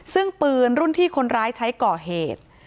ซึ่งปืนรุ่นที่คนร้ายใช้ก่อเหตุ